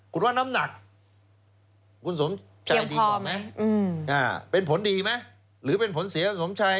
คุณว่าน้ำหนักคุณสมใจดีกว่าไหมเป็นผลดีไหมหรือเป็นผลเสียสมชัย